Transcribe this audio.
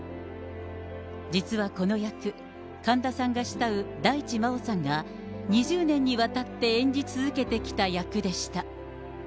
実はこの役、神田さんが慕う大地真央さんが２０年にわたって演じ続けてきた役でした。